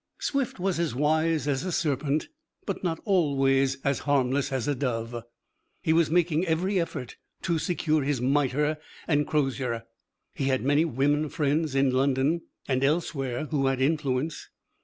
Swift was as wise as a serpent, but not always as harmless as a dove. He was making every effort to secure his miter and crosier: he had many women friends in London and elsewhere who had influence.